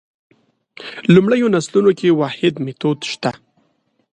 لومړنیو نسلونو کې واحد میتود شته.